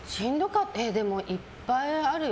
でも、いっぱいあるよ。